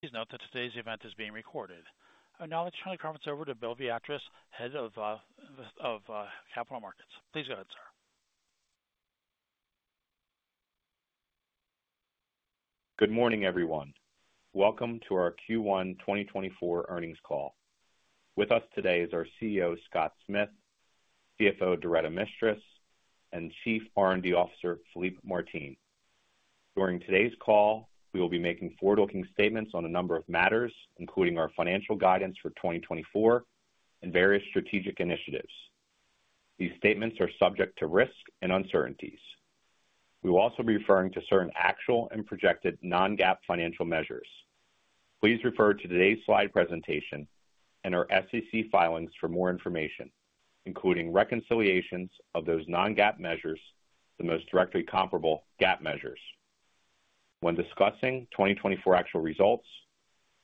Please note that today's event is being recorded. I acknowledge turning the conference over to Bill Szablewski, Head of Capital Markets. Please go ahead, sir. Good morning, everyone. Welcome to our Q1 2024 earnings call. With us today is our CEO, Scott Smith, CFO, Doretta Mistras, and Chief R&D Officer, Philippe Martin. During today's call, we will be making forward-looking statements on a number of matters, including our financial guidance for 2024 and various strategic initiatives. These statements are subject to risk and uncertainties. We will also be referring to certain actual and projected non-GAAP financial measures. Please refer to today's slide presentation and our SEC filings for more information, including reconciliations of those non-GAAP measures to the most directly comparable GAAP measures. When discussing 2024 actual results,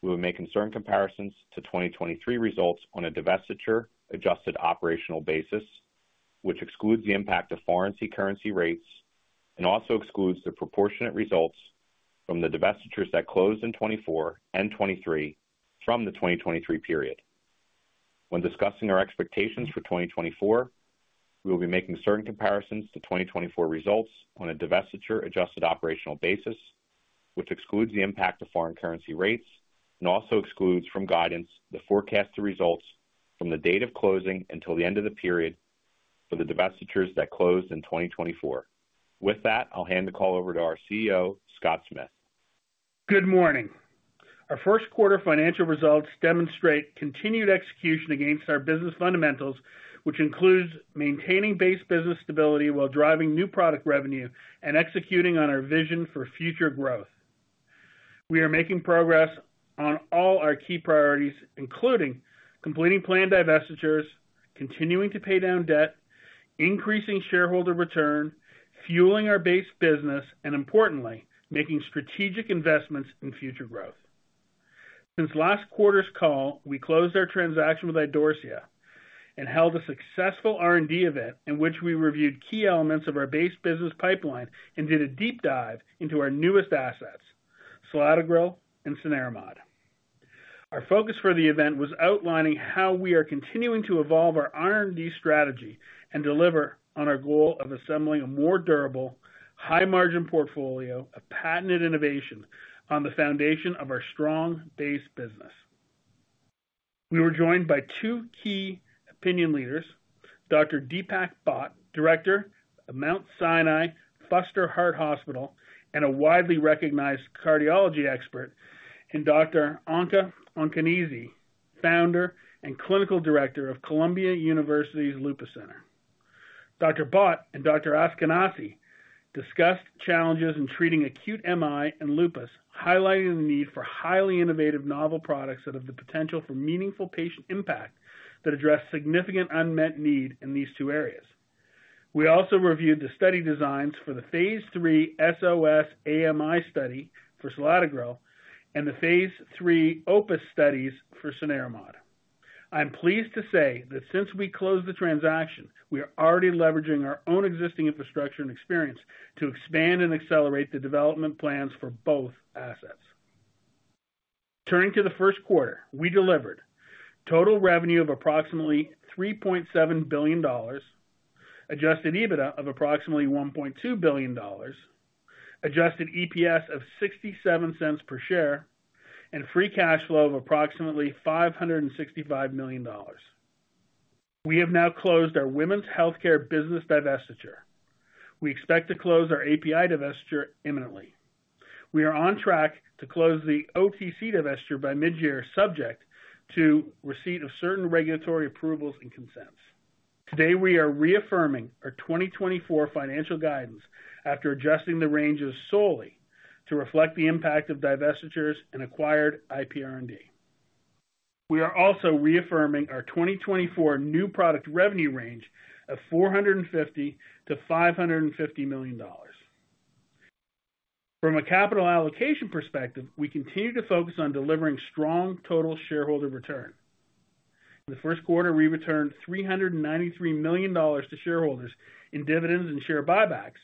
we will make constant comparisons to 2023 results on a divestiture-adjusted operational basis, which excludes the impact of foreign-currency rates and also excludes the proportionate results from the divestitures that closed in 2024 and 2023 from the 2023 period. When discussing our expectations for 2024, we will be making certain comparisons to 2024 results on a divestiture-adjusted operational basis, which excludes the impact of foreign-currency rates and also excludes, from guidance, the forecasted results from the date of closing until the end of the period for the divestitures that closed in 2024. With that, I'll hand the call over to our CEO, Scott Smith. Good morning. Our first-quarter financial results demonstrate continued execution against our business fundamentals, which includes maintaining base business stability while driving new product revenue and executing on our vision for future growth. We are making progress on all our key priorities, including completing planned divestitures, continuing to pay down debt, increasing shareholder return, fueling our base business, and importantly, making strategic investments in future growth. Since last quarter's call, we closed our transaction with Idorsia and held a successful R&D event in which we reviewed key elements of our base business pipeline and did a deep dive into our newest assets, selatogrel and cenerimod. Our focus for the event was outlining how we are continuing to evolve our R&D strategy and deliver on our goal of assembling a more durable, high-margin portfolio of patented innovation on the foundation of our strong base business. We were joined by two key opinion leaders: Dr. Deepak Bhatt, Director of Mount Sinai Fuster Heart Hospital and a widely recognized cardiology expert; and Dr. Anca Askanase, Founder and Clinical Director of Columbia University's Lupus Center. Dr. Bhatt and Dr. Askanase discussed challenges in treating acute MI and lupus, highlighting the need for highly innovative, novel products that have the potential for meaningful patient impact that address significant unmet need in these two areas. We also reviewed the study designs for the phase III SOS AMI study for selatogrel and the phase III OPUS studies for cenerimod. I'm pleased to say that since we closed the transaction, we are already leveraging our own existing infrastructure and experience to expand and accelerate the development plans for both assets. Turning to the first quarter, we delivered: total revenue of approximately $3.7 billion, adjusted EBITDA of approximately $1.2 billion, adjusted EPS of 0.67 per share, and free cash flow of approximately $565 million. We have now closed our women's healthcare business divestiture. We expect to close our API divestiture imminently. We are on track to close the OTC divestiture by mid-year, subject to receipt of certain regulatory approvals and consents. Today, we are reaffirming our 2024 financial guidance after adjusting the ranges solely to reflect the impact of divestitures and acquired IPR&D. We are also reaffirming our 2024 new product revenue range of $450 million-$550 million. From a capital allocation perspective, we continue to focus on delivering strong total shareholder return. In the first quarter, we returned $393 million to shareholders in dividends and share buybacks,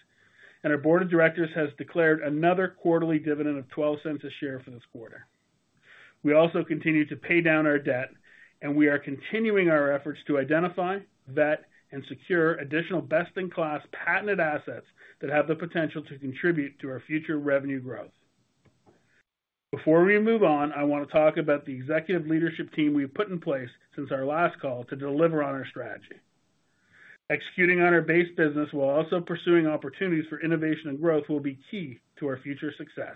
and our board of directors has declared another quarterly dividend of $0.12 a share for this quarter. We also continue to pay down our debt, and we are continuing our efforts to identify, vet, and secure additional best-in-class patented assets that have the potential to contribute to our future revenue growth. Before we move on, I want to talk about the executive leadership team we've put in place since our last call to deliver on our strategy. Executing on our base business while also pursuing opportunities for innovation and growth will be key to our future success.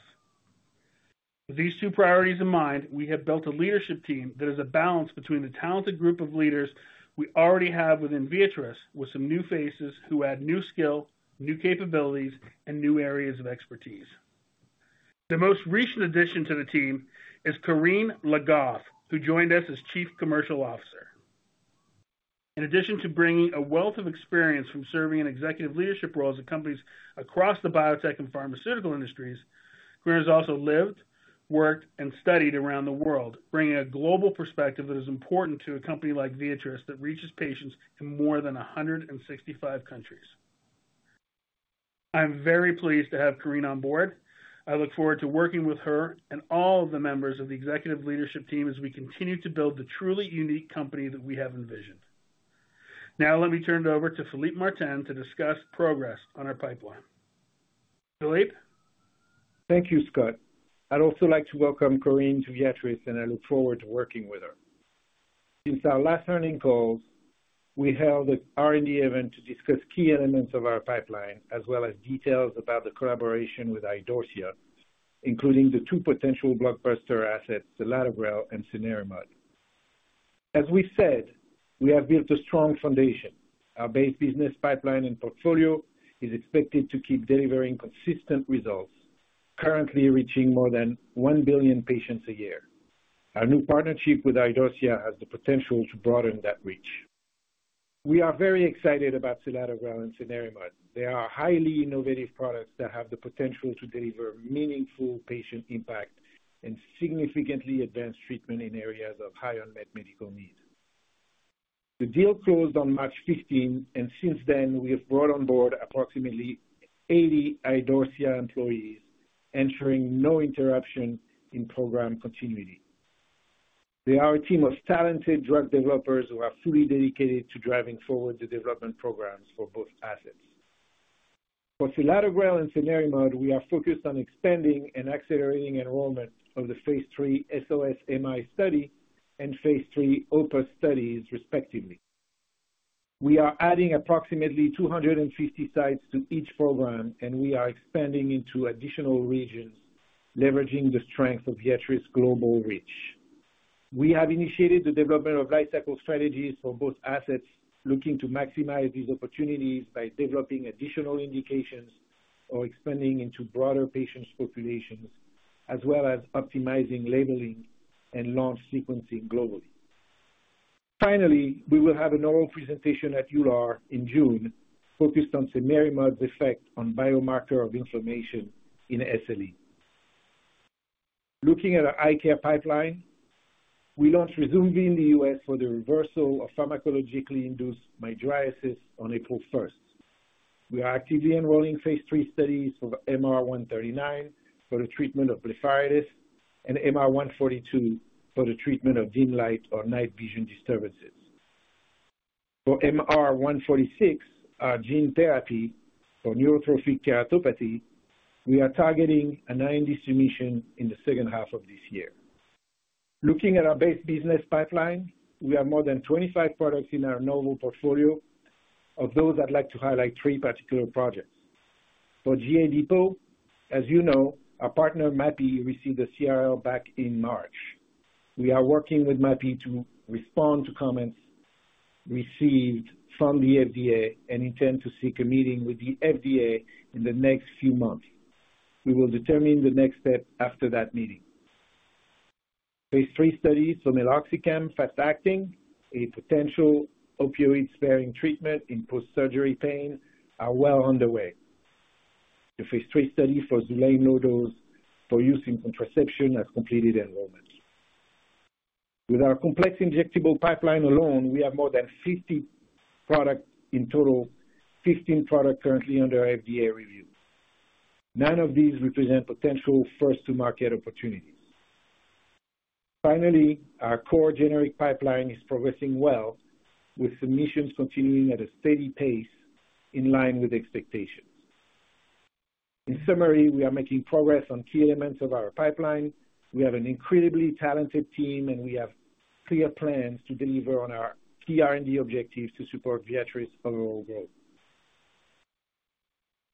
With these two priorities in mind, we have built a leadership team that is a balance between the talented group of leaders we already have within Viatris with some new faces who add new skill, new capabilities, and new areas of expertise. The most recent addition to the team is Corinne Le Goff, who joined us as Chief Commercial Officer. In addition to bringing a wealth of experience from serving in executive leadership roles at companies across the biotech and pharmaceutical industries, Corinne has also lived, worked, and studied around the world, bringing a global perspective that is important to a company like Viatris that reaches patients in more than 165 countries. I'm very pleased to have Corinne on board. I look forward to working with her and all of the members of the executive leadership team as we continue to build the truly unique company that we have envisioned. Now, let me turn it over to Philippe Martin to discuss progress on our pipeline. Philippe? Thank you, Scott. I'd also like to welcome Corinne to Viatris, and I look forward to working with her. Since our last earnings calls, we held an R&D event to discuss key elements of our pipeline as well as details about the collaboration with Idorsia, including the two potential blockbuster assets, selatogrel and cenerimod. As we said, we have built a strong foundation. Our base business pipeline and portfolio is expected to keep delivering consistent results, currently reaching more than 1 billion patients a year. Our new partnership with Idorsia has the potential to broaden that reach. We are very excited about selatogrel and cenerimod. They are highly innovative products that have the potential to deliver meaningful patient impact and significantly advance treatment in areas of high unmet medical need. The deal closed on March 15th, and since then, we have brought on board approximately 80 Idorsia employees, ensuring no interruption in program continuity. They are a team of talented drug developers who are fully dedicated to driving forward the development programs for both assets. For selatogrel and cenerimod, we are focused on expanding and accelerating enrollment of the phase III SOS AMI study and phase III OPUS studies, respectively. We are adding approximately 250 sites to each program, and we are expanding into additional regions, leveraging the strength of Viatris' global reach. We have initiated the development of lifecycle strategies for both assets, looking to maximize these opportunities by developing additional indications or expanding into broader patients' populations, as well as optimizing labeling and launch sequencing globally. Finally, we will have an oral presentation at EULAR in June focused on cenerimod's effect on biomarker of inflammation in SLE. Looking at our eye care pipeline, we launched Ryzumvi in the U.S. for the reversal of pharmacologically induced mydriasis on April 1st. We are actively enrolling phase III studies for MR-139 for the treatment of blepharitis and MR-142 for the treatment of dim light or night vision disturbances. For MR-146, our gene therapy for neurotrophic keratopathy, we are targeting a IND submission in the second half of this year. Looking at our base business pipeline, we have more than 25 products in our novel portfolio. Of those, I'd like to highlight three particular projects. For GA Depot, as you know, our partner Mapi received a CRL back in March. We are working with Mapi to respond to comments received from the FDA and intend to seek a meeting with the FDA in the next few months. We will determine the next step after that meeting. Phase III studies for fast-acting meloxicam, a potential opioid-sparing treatment in post-surgery pain, are well underway. The phase III study for Xulane low-dose for use in contraception has completed enrollment. With our complex injectable pipeline alone, we have more than 50 products in total, 15 products currently under FDA review. None of these represent potential first-to-market opportunities. Finally, our core generic pipeline is progressing well, with submissions continuing at a steady pace in line with expectations. In summary, we are making progress on key elements of our pipeline. We have an incredibly talented team, and we have clear plans to deliver on our key R&D objectives to support Viatris' overall growth.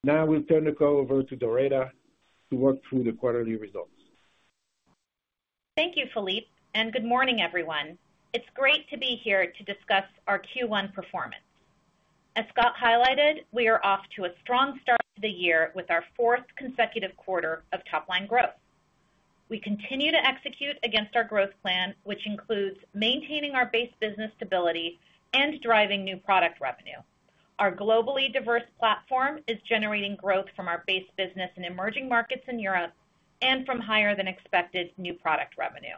Now, we'll turn the call over to Doretta to work through the quarterly results. Thank you, Philippe, and good morning, everyone. It's great to be here to discuss our Q1 performance. As Scott highlighted, we are off to a strong start to the year with our fourth consecutive quarter of top-line growth. We continue to execute against our growth plan, which includes maintaining our base business stability and driving new product revenue. Our globally diverse platform is generating growth from our base business in emerging markets in Europe and from higher-than-expected new product revenue.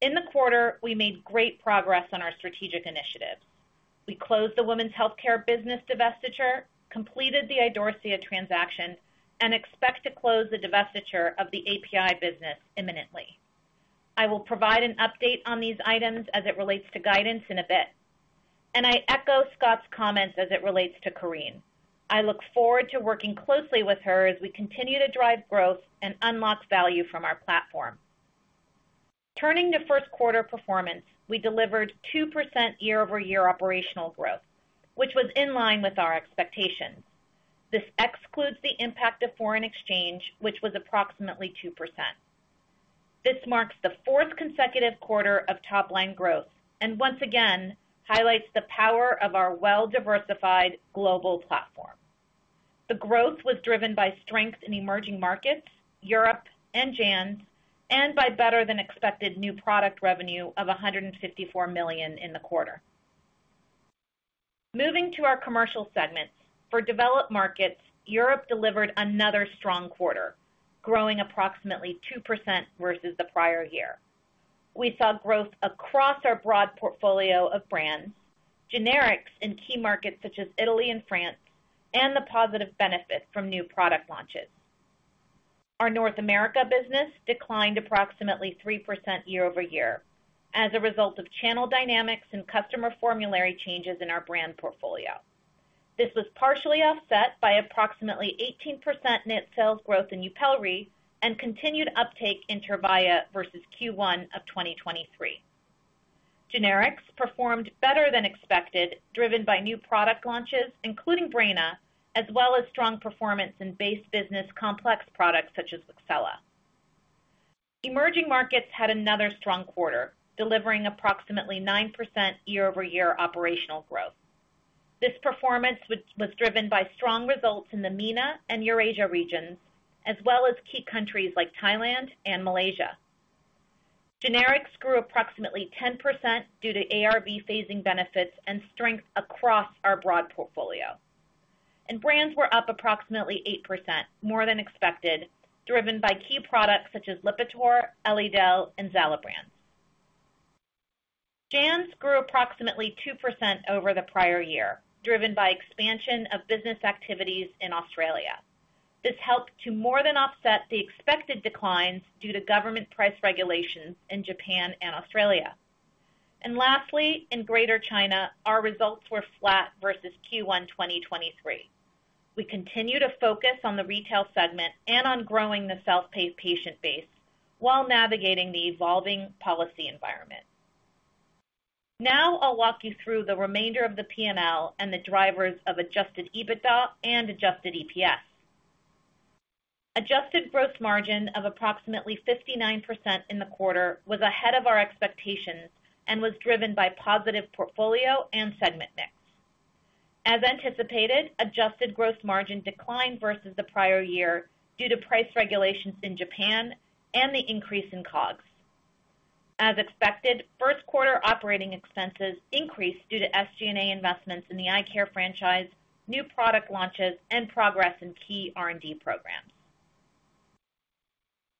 In the quarter, we made great progress on our strategic initiatives. We closed the women's healthcare business divestiture, completed the Idorsia transaction, and expect to close the divestiture of the API business imminently. I will provide an update on these items as it relates to guidance in a bit, and I echo Scott's comments as it relates to Corinne. I look forward to working closely with her as we continue to drive growth and unlock value from our platform. Turning to first quarter performance, we delivered 2% year-over-year operational growth, which was in line with our expectations. This excludes the impact of foreign exchange, which was approximately 2%. This marks the fourth consecutive quarter of top-line growth and once again highlights the power of our well-diversified global platform. The growth was driven by strength in emerging markets, Europe, and JANZ, and by better-than-expected new product revenue of $154 million in the quarter. Moving to our commercial segments, for developed markets, Europe delivered another strong quarter, growing approximately 2% versus the prior year. We saw growth across our broad portfolio of brands, generics in key markets such as Italy and France, and the positive benefit from new product launches. Our North America business declined approximately 3% year-over-year as a result of channel dynamics and customer formulary changes in our brand portfolio. This was partially offset by approximately 18% net sales growth in Yupelri and continued uptake in Tyrvaya versus Q1 of 2023. Generics performed better than expected, driven by new product launches, including Breyna, as well as strong performance in base business complex products such as Wixela. Emerging markets had another strong quarter, delivering approximately 9% year-over-year operational growth. This performance was driven by strong results in the MENA and Eurasia regions, as well as key countries like Thailand and Malaysia. Generics grew approximately 10% due to ARV phasing benefits and strength across our broad portfolio. Brands were up approximately 8%, more than expected, driven by key products such as Lipitor, Elidel, and Xalabrands. JANZ grew approximately 2% over the prior year, driven by expansion of business activities in Australia. This helped to more than offset the expected declines due to government price regulations in Japan and Australia. Lastly, in Greater China, our results were flat versus Q1 2023. We continue to focus on the retail segment and on growing the self-pay patient base while navigating the evolving policy environment. Now, I'll walk you through the remainder of the P&L and the drivers of adjusted EBITDA and adjusted EPS. Adjusted gross margin of approximately 59% in the quarter was ahead of our expectations and was driven by positive portfolio and segment mix. As anticipated, adjusted gross margin declined versus the prior year due to price regulations in Japan and the increase in COGS. As expected, first-quarter operating expenses increased due to SG&A investments in the eye care franchise, new product launches, and progress in key R&D programs.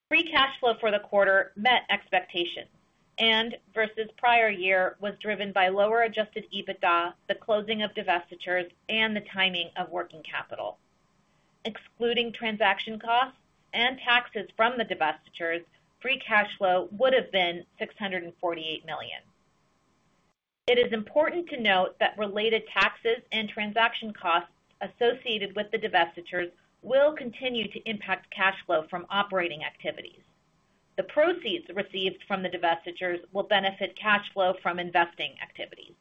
Free cash flow for the quarter met expectations and, versus prior year, was driven by lower adjusted EBITDA, the closing of divestitures, and the timing of working capital. Excluding transaction costs and taxes from the divestitures, free cash flow would have been $648 million. It is important to note that related taxes and transaction costs associated with the divestitures will continue to impact cash flow from operating activities. The proceeds received from the divestitures will benefit cash flow from investing activities.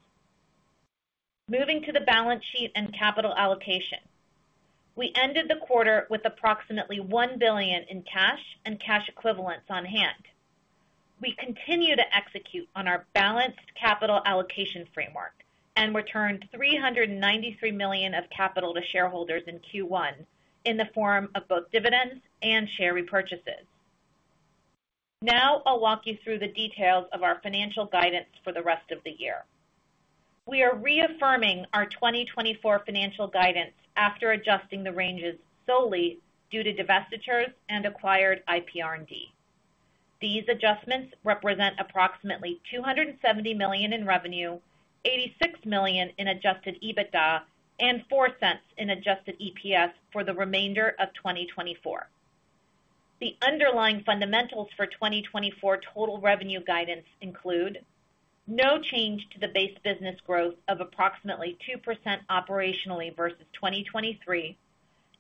Moving to the balance sheet and capital allocation, we ended the quarter with approximately $1 billion in cash and cash equivalents on hand. We continue to execute on our balanced capital allocation framework and returned $393 million of capital to shareholders in Q1 in the form of both dividends and share repurchases. Now, I'll walk you through the details of our financial guidance for the rest of the year. We are reaffirming our 2024 financial guidance after adjusting the ranges solely due to divestitures and acquired IPR&D. These adjustments represent approximately $270 million in revenue, $86 million in adjusted EBITDA, and $0.04 in adjusted EPS for the remainder of 2024. The underlying fundamentals for 2024 total revenue guidance include: no change to the base business growth of approximately 2% operationally versus 2023,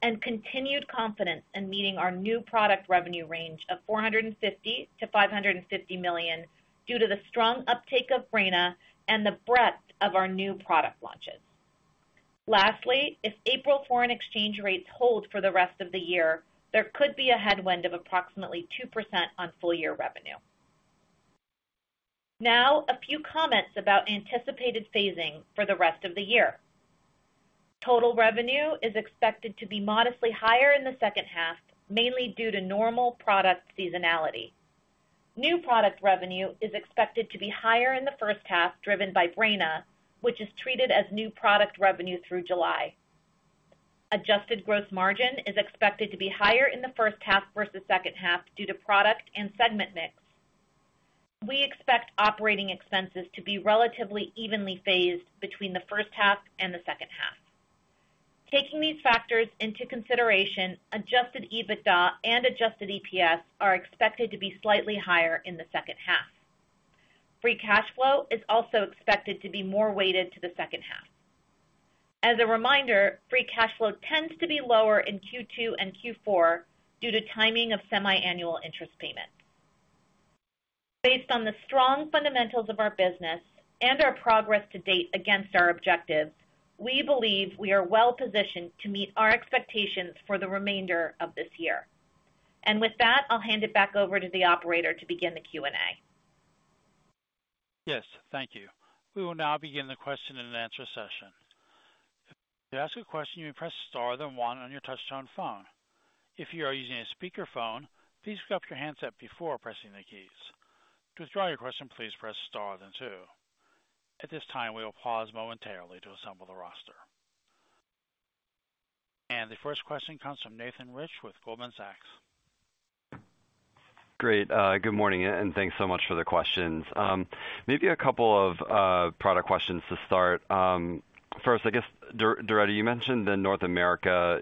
and continued confidence in meeting our new product revenue range of $450 million-$550 million due to the strong uptake of Breyna and the breadth of our new product launches. Lastly, if April foreign exchange rates hold for the rest of the year, there could be a headwind of approximately 2% on full-year revenue. Now, a few comments about anticipated phasing for the rest of the year. Total revenue is expected to be modestly higher in the second half, mainly due to normal product seasonality. New product revenue is expected to be higher in the first half, driven by Breyna, which is treated as new product revenue through July. Adjusted gross margin is expected to be higher in the first half versus second half due to product and segment mix. We expect operating expenses to be relatively evenly phased between the first half and the second half. Taking these factors into consideration, adjusted EBITDA and adjusted EPS are expected to be slightly higher in the second half. Free cash flow is also expected to be more weighted to the second half. As a reminder, free cash flow tends to be lower in Q2 and Q4 due to timing of semiannual interest payments. Based on the strong fundamentals of our business and our progress to date against our objectives, we believe we are well positioned to meet our expectations for the remainder of this year. With that, I'll hand it back over to the operator to begin the Q&A. Yes, thank you. We will now begin the question and answer session. If you ask a question, you may press star, then one on your touch-tone phone. If you are using a speakerphone, please grab your handset before pressing the keys. To withdraw your question, please press star, then two. At this time, we will pause momentarily to assemble the roster. The first question comes from Nathan Rich with Goldman Sachs. Great. Good morning, and thanks so much for the questions. Maybe a couple of product questions to start. First, I guess, Doretta, you mentioned the North America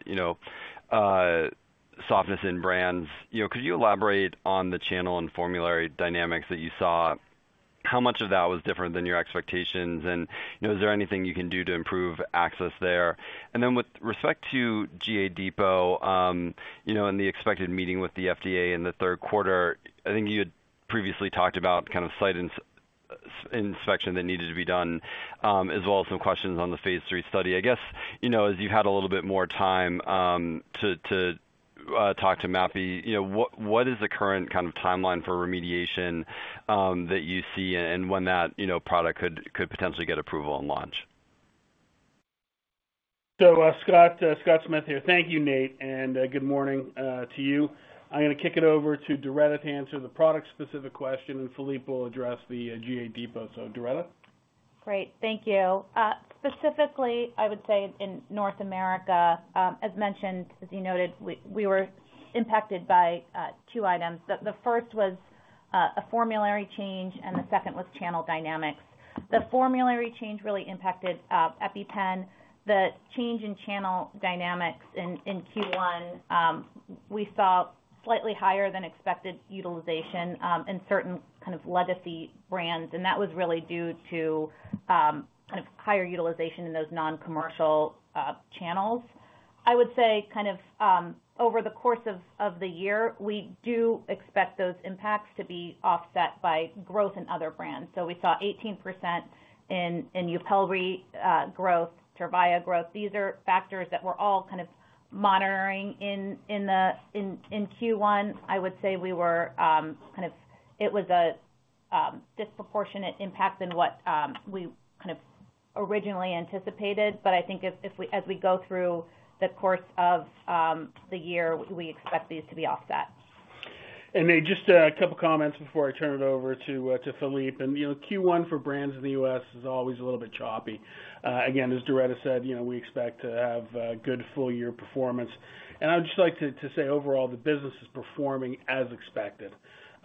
softness in brands. Could you elaborate on the channel and formulary dynamics that you saw? How much of that was different than your expectations, and is there anything you can do to improve access there? And then with respect to GA Depot and the expected meeting with the FDA in the third quarter, I think you had previously talked about kind of site inspection that needed to be done, as well as some questions on the phase III study. I guess, as you've had a little bit more time to talk to Mapi, what is the current kind of timeline for remediation that you see, and when that product could potentially get approval and launch? So Scott Smith here. Thank you, Nate, and good morning to you. I'm going to kick it over to Doretta to answer the product-specific question, and Philippe will address the GA Depot. So Doretta? Great, thank you. Specifically, I would say in North America, as mentioned, as you noted, we were impacted by two items. The first was a formulary change, and the second was channel dynamics. The formulary change really impacted EpiPen. The change in channel dynamics in Q1, we saw slightly higher-than-expected utilization in certain kind of legacy brands, and that was really due to kind of higher utilization in those non-commercial channels. I would say kind of over the course of the year, we do expect those impacts to be offset by growth in other brands. So we saw 18% in Yupelri growth, Tyrvaya growth. These are factors that we're all kind of monitoring in Q1. I would say we were kind of it was a disproportionate impact than what we kind of originally anticipated, but I think as we go through the course of the year, we expect these to be offset. Maybe just a couple of comments before I turn it over to Philippe. Q1 for brands in the U.S. is always a little bit choppy. Again, as Doretta said, we expect to have good full-year performance. I would just like to say overall, the business is performing as expected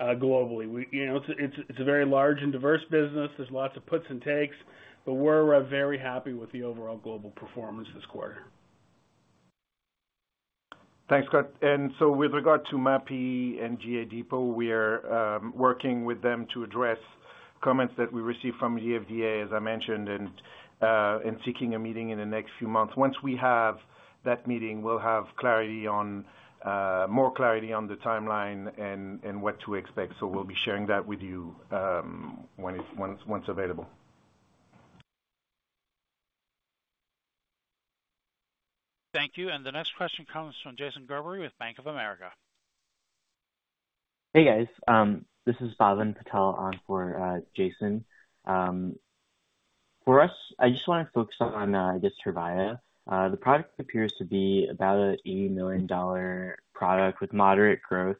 globally. It's a very large and diverse business. There's lots of puts and takes, but we're very happy with the overall global performance this quarter. Thanks, Scott. And so with regard to Mapi and GA Depot, we are working with them to address comments that we received from the FDA, as I mentioned, and seeking a meeting in the next few months. Once we have that meeting, we'll have clarity on more clarity on the timeline and what to expect. So we'll be sharing that with you once available. Thank you. The next question comes from Jason Gerbery with Bank of America. Hey, guys. This is Bhavin Patel on for Jason. For us, I just want to focus on, I guess, Tyrvaya. The product appears to be about an $80 million product with moderate growth.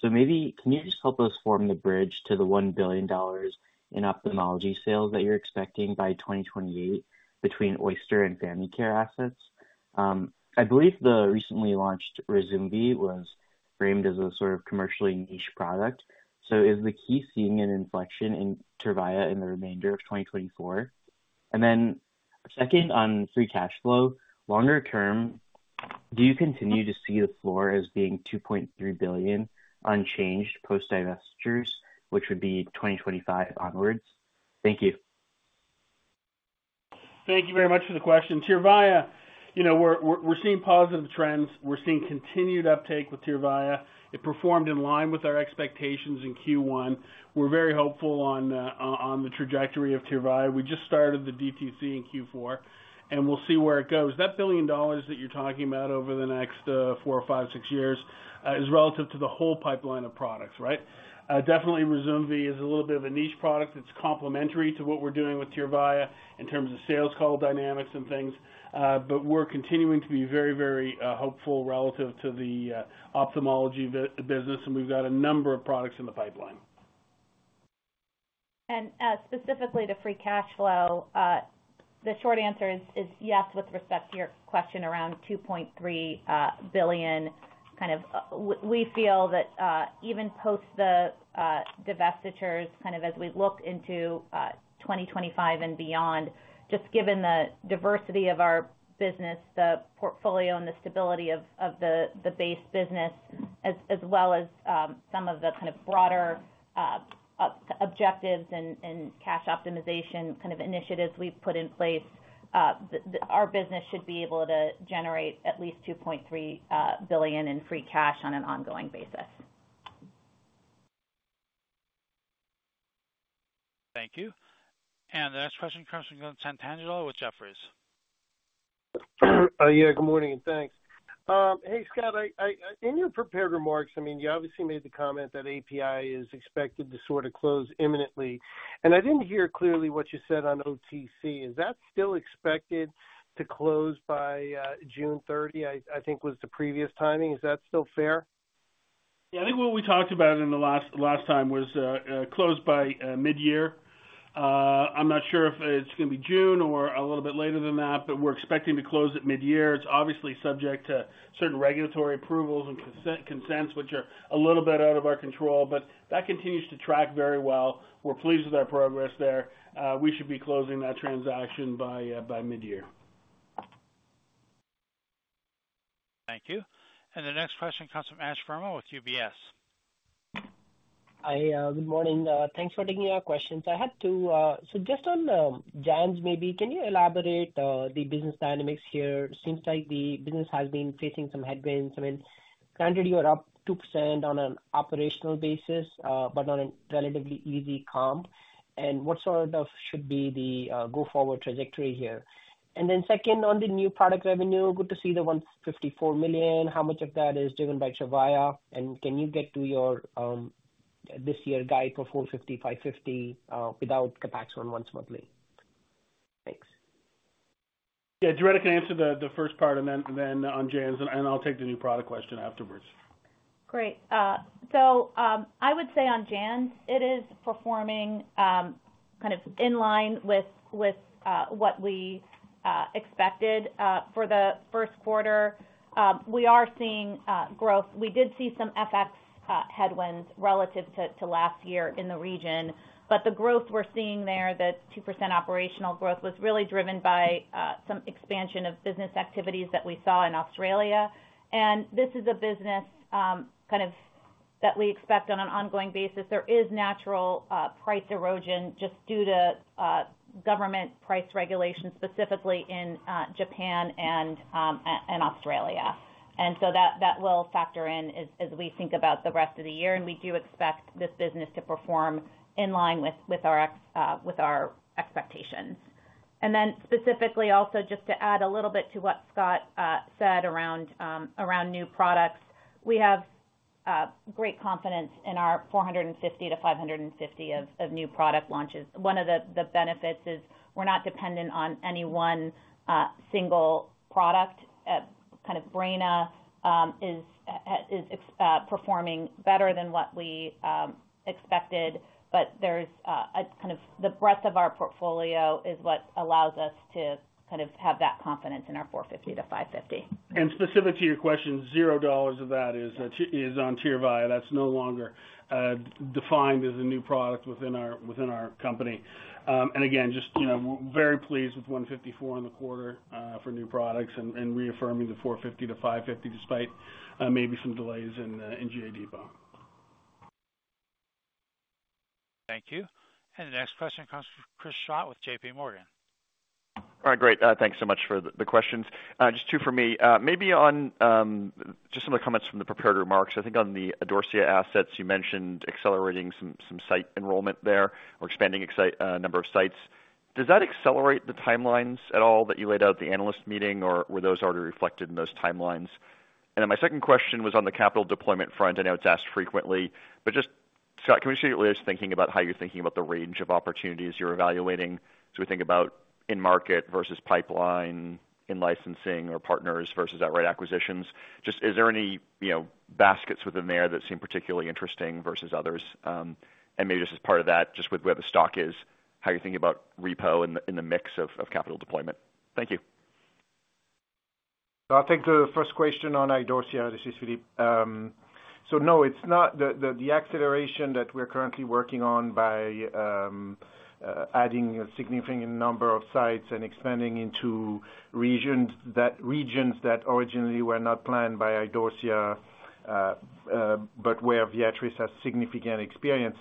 So maybe can you just help us form the bridge to the $1 billion in ophthalmology sales that you're expecting by 2028 between Oyster and Famy Care assets? I believe the recently launched Ryzumvi was framed as a sort of commercially niche product. So is the key seeing an inflection in Tyrvaya in the remainder of 2024? And then second, on free cash flow, longer term, do you continue to see the floor as being $2.3 billion unchanged post-divestitures, which would be 2025 onwards? Thank you. Thank you very much for the question. Tyrvaya, we're seeing positive trends. We're seeing continued uptake with Tyrvaya. It performed in line with our expectations in Q1. We're very hopeful on the trajectory of Tyrvaya. We just started the DTC in Q4, and we'll see where it goes. That $1 billion that you're talking about over the next four or five, six years is relative to the whole pipeline of products, right? Definitely, Ryzumvi is a little bit of a niche product. It's complementary to what we're doing with Tyrvaya in terms of sales call dynamics and things, but we're continuing to be very, very hopeful relative to the ophthalmology business, and we've got a number of products in the pipeline. Specifically to free cash flow, the short answer is yes with respect to your question around $2.3 billion. Kind of we feel that even post the divestitures, kind of as we look into 2025 and beyond, just given the diversity of our business, the portfolio, and the stability of the base business, as well as some of the kind of broader objectives and cash optimization kind of initiatives we've put in place, our business should be able to generate at least $2.3 billion in free cash on an ongoing basis. Thank you. The next question comes from Glen Santangelo with Jefferies. Yeah, good morning, and thanks. Hey, Scott, in your prepared remarks, I mean, you obviously made the comment that API is expected to sort of close imminently. And I didn't hear clearly what you said on OTC. Is that still expected to close by June 30? I think was the previous timing. Is that still fair? Yeah, I think what we talked about in the last time was close by mid-year. I'm not sure if it's going to be June or a little bit later than that, but we're expecting to close at mid-year. It's obviously subject to certain regulatory approvals and consents, which are a little bit out of our control, but that continues to track very well. We're pleased with our progress there. We should be closing that transaction by mid-year. Thank you. The next question comes from Ash Verma with UBS. Hi, good morning. Thanks for taking our questions. I had two so just on JANZ maybe, can you elaborate the business dynamics here? Seems like the business has been facing some headwinds. I mean, granted, you are up 2% on an operational basis, but on a relatively easy comp. And what sort of should be the go-forward trajectory here? And then second, on the new product revenue, good to see the $154 million. How much of that is driven by Tyrvaya? And can you get to your this year guide for $450 million-$550 million without Copaxone once monthly? Thanks. Yeah, Doretta can answer the first part and then on JANZ, and I'll take the new product question afterwards. Great. So I would say on JANZ, it is performing kind of in line with what we expected for the first quarter. We are seeing growth. We did see some FX headwinds relative to last year in the region, but the growth we're seeing there, the 2% operational growth, was really driven by some expansion of business activities that we saw in Australia. And this is a business kind of that we expect on an ongoing basis. There is natural price erosion just due to government price regulation, specifically in Japan and Australia. And so that will factor in as we think about the rest of the year. And we do expect this business to perform in line with our expectations. Then specifically, also, just to add a little bit to what Scott said around new products, we have great confidence in our $450 million-$550 million of new product launches. One of the benefits is we're not dependent on any one single product. Kind of Breyna is performing better than what we expected, but there's kind of the breadth of our portfolio is what allows us to kind of have that confidence in our $450 million-$550 million. Specific to your question, $0 of that is on Tyrvaya. That's no longer defined as a new product within our company. Again, just very pleased with $154 million in the quarter for new products and reaffirming the $450 million-$550 million despite maybe some delays in GA Depot. Thank you. And the next question comes from Chris Schott with JP Morgan. All right, great. Thanks so much for the questions. Just two for me. Maybe on just some of the comments from the prepared remarks, I think on the Idorsia assets, you mentioned accelerating some site enrollment there or expanding number of sites. Does that accelerate the timelines at all that you laid out at the analyst meeting, or were those already reflected in those timelines? And then my second question was on the capital deployment front. I know it's asked frequently, but just, Scott, can we see what Doretta's thinking about how you're thinking about the range of opportunities you're evaluating? So we think about in-market versus pipeline, in licensing, or partners versus outright acquisitions. Just is there any baskets within there that seem particularly interesting versus others? Maybe just as part of that, just with where the stock is, how you're thinking about repo in the mix of capital deployment? Thank you. I think the first question on Idorsia. This is Philippe. So no, it's not the acceleration that we're currently working on by adding a significant number of sites and expanding into regions that originally were not planned by Idorsia but where Viatris has significant experience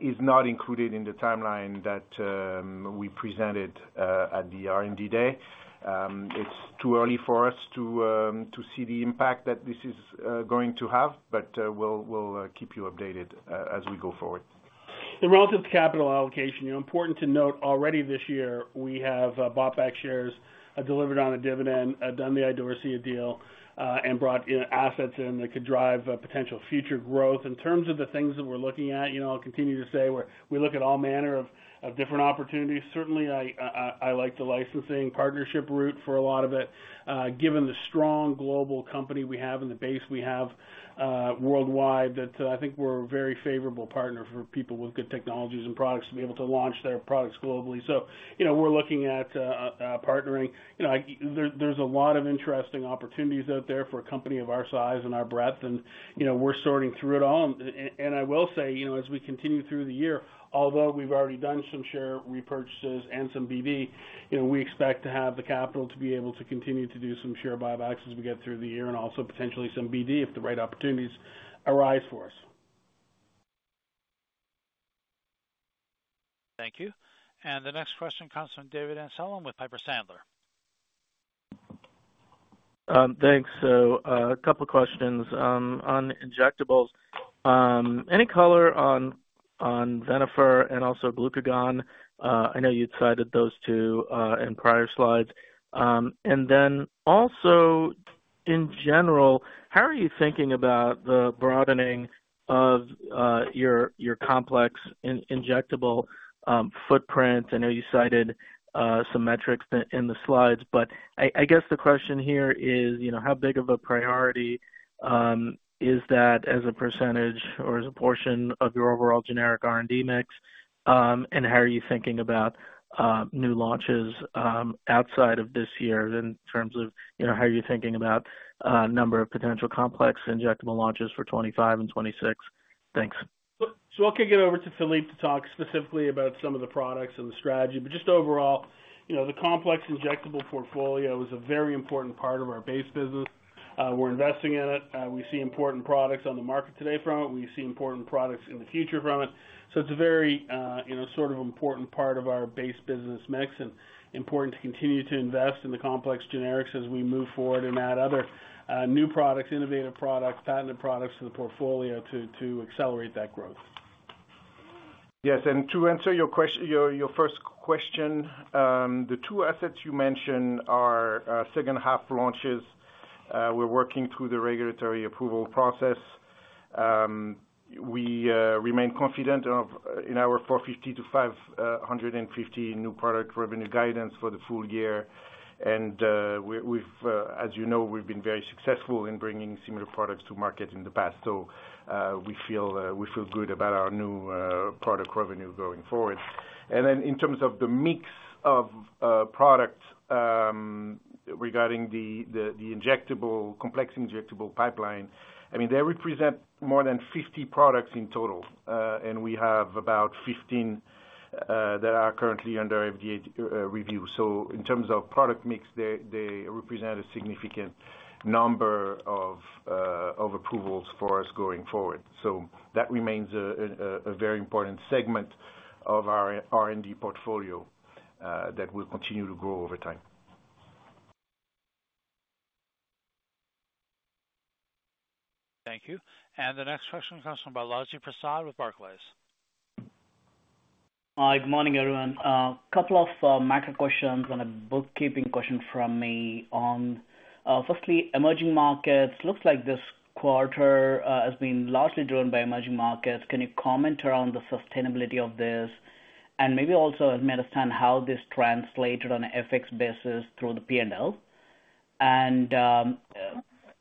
is not included in the timeline that we presented at the R&D day. It's too early for us to see the impact that this is going to have, but we'll keep you updated as we go forward. Relative to capital allocation, important to note, already this year, we have bought back shares, delivered on a dividend, done the Idorsia deal, and brought in assets that could drive potential future growth. In terms of the things that we're looking at, I'll continue to say we look at all manner of different opportunities. Certainly, I like the licensing partnership route for a lot of it. Given the strong global company we have and the base we have worldwide, I think we're a very favorable partner for people with good technologies and products to be able to launch their products globally. So we're looking at partnering. There's a lot of interesting opportunities out there for a company of our size and our breadth, and we're sorting through it all. I will say, as we continue through the year, although we've already done some share repurchases and some BD, we expect to have the capital to be able to continue to do some share buybacks as we get through the year and also potentially some BD if the right opportunities arise for us. Thank you. The next question comes from David Amsellem with Piper Sandler. Thanks. So a couple of questions on injectables. Any color on Venofer and also Glucagon? I know you'd cited those two in prior slides. And then also, in general, how are you thinking about the broadening of your complex injectable footprint? I know you cited some metrics in the slides, but I guess the question here is, how big of a priority is that as a percentage or as a portion of your overall generic R&D mix? And how are you thinking about new launches outside of this year in terms of how you're thinking about number of potential complex injectable launches for 2025 and 2026? Thanks. So I'll kick it over to Philippe to talk specifically about some of the products and the strategy. But just overall, the complex injectable portfolio is a very important part of our base business. We're investing in it. We see important products on the market today from it. We see important products in the future from it. So it's a very sort of important part of our base business mix and important to continue to invest in the complex generics as we move forward and add other new products, innovative products, patented products to the portfolio to accelerate that growth. Yes. And to answer your first question, the two assets you mentioned are second-half launches. We're working through the regulatory approval process. We remain confident in our $450 million-$550 million new product revenue guidance for the full year. And as you know, we've been very successful in bringing similar products to market in the past. So we feel good about our new product revenue going forward. And then in terms of the mix of products regarding the complex injectable pipeline, I mean, they represent more than 50 products in total, and we have about 15 that are currently under FDA review. So in terms of product mix, they represent a significant number of approvals for us going forward. So that remains a very important segment of our R&D portfolio that will continue to grow over time. Thank you. The next question comes from Balaji Prasad with Barclays. Hi, good morning, everyone. A couple of macro questions and a bookkeeping question from me on, firstly, emerging markets. Looks like this quarter has been largely driven by emerging markets. Can you comment around the sustainability of this? And maybe also, help me understand how this translated on an FX basis through the P&L. And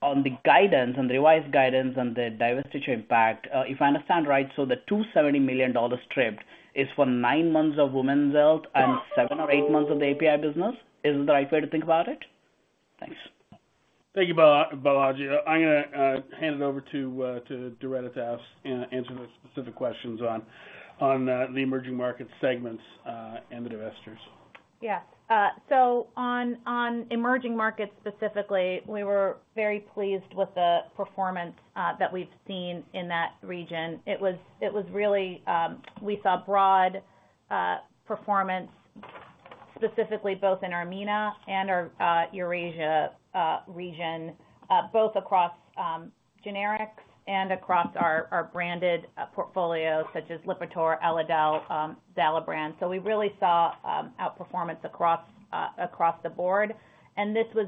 on the guidance, on the revised guidance, and the divestiture impact, if I understand right, so the $270 million stripped is for nine months of women's health and seven or eight months of the API business. Is this the right way to think about it? Thanks. Thank you, Balaji. I'm going to hand it over to Doretta to answer the specific questions on the emerging markets segments and the divestitures. Yes. So on emerging markets specifically, we were very pleased with the performance that we've seen in that region. It was really we saw broad performance specifically both in Armenia and our Eurasia region, both across generics and across our branded portfolio such as Lipitor, Elidel, Xalabrands. So we really saw outperformance across the board. And this was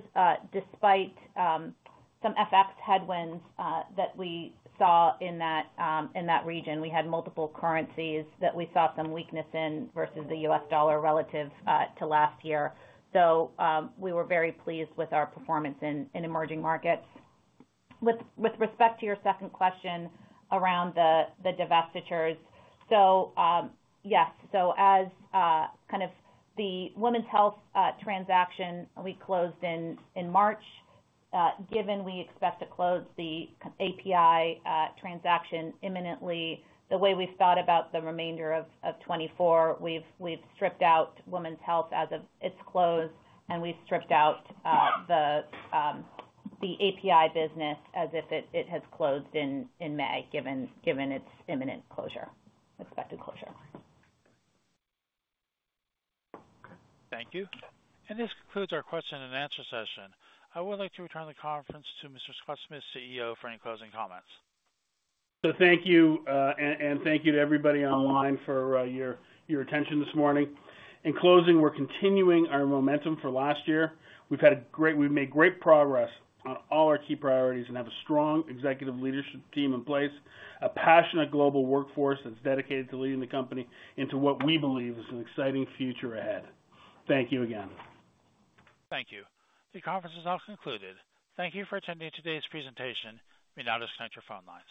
despite some FX headwinds that we saw in that region. We had multiple currencies that we saw some weakness in versus the U.S. dollar relative to last year. So we were very pleased with our performance in emerging markets. With respect to your second question around the divestitures, so yes. So, as kind of the women's health transaction we closed in March, given we expect to close the API transaction imminently, the way we've thought about the remainder of 2024, we've stripped out women's health as of its close, and we've stripped out the API business as if it has closed in May given its imminent expected closure. Okay. Thank you. This concludes our question and answer session. I would like to return the conference to Mr. Scott Smith, CEO, for any closing comments. Thank you. Thank you to everybody online for your attention this morning. In closing, we're continuing our momentum for last year. We've made great progress on all our key priorities and have a strong executive leadership team in place, a passionate global workforce that's dedicated to leading the company into what we believe is an exciting future ahead. Thank you again. Thank you. The conference is now concluded. Thank you for attending today's presentation. You may now disconnect your phone lines.